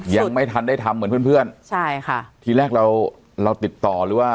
ยังไม่ทันได้ทำเหมือนเพื่อนเพื่อนใช่ค่ะทีแรกเราเราติดต่อหรือว่า